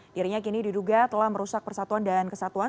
dirinya kini diduga telah merusak persatuan dan kesatuan